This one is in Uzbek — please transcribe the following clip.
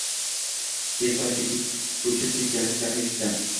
Keyin Toshkentga ko‘chib ketganliklarini eshitdim.